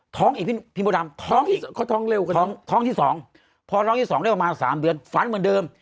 ท้องอีกพี่โบดำท้องที่สองพอท้องที่สองได้ประมาณ๓เดือนฝันเหมือนเดิม